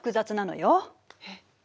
えっ？